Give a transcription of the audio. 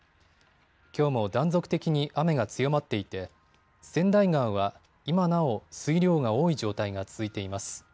きょうも断続的に雨が強まっていて川内川は今なお水量が多い状態が続いています。